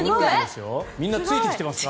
みんなついてきてますか？